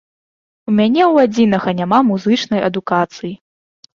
У мяне ў адзінага няма музычнай адукацыі.